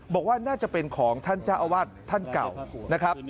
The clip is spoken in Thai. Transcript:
บอกว่าน่าจะเป็นของท่านเจ้าอาวาสท่านเก่านะครับ